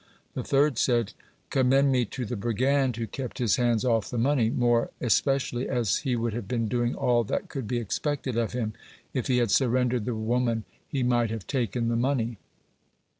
The third said: "Commend me to the brigand, who kept his hands off the money, more especially as he would have been doing all that could be expected of him if he had surrendered the woman he might have taken the money."